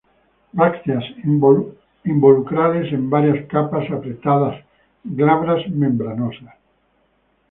Brácteas involucrales en varias capas, apretadas, glabras, membranosas.